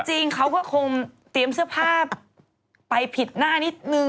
จริงเขาก็คงเตรียมเสื้อผ้าไปผิดหน้านิดนึง